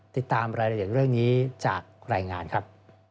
ติดตามรายละเอียดเรื่องนี้จากรายงานครับ